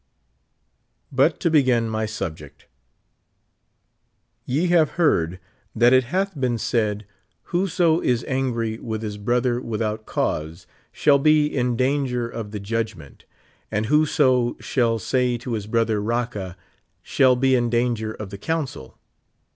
But to begin my subject. " Ye have heard that it hath 76 been said whoso is angry with his brother without cause, shall be in danger of tlie judgment ; and whoso shall say to his brother Raca, sliall be in danger of the council.